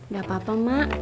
gak apa apa mak